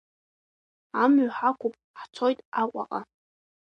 Амҩа ҳақәуп, ҳцоит Аҟәаҟа.